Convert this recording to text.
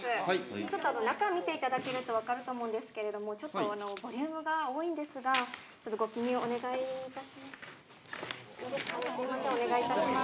ちょっと中、見ていただくと、分かると思うんですけれども、ちょっとボリュームが多いんですが、ちょっとご記入お願いいたします。